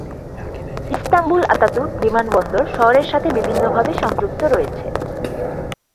Istanbul Ataturk বিমানবন্দর শহরের সাথে বিভিন্নভাবে সংযুক্ত রয়েছে।